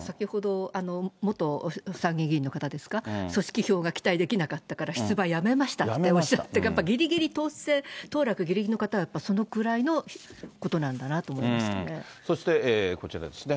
先ほど、元参議院議員の方ですか、組織票が期待できなかったから、出馬やめましたっておっしゃって、ぎりぎり当選、当落ぎりぎりの方はやっぱりそのくらいのことなんだなと思いましそしてこちらですね。